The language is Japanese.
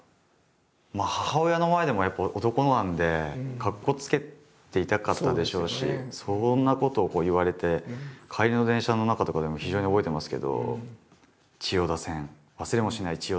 まあ母親の前でもやっぱ男なんでかっこつけていたかったでしょうしそんなことを言われて帰りの電車の中とかでも非常に覚えてますけど。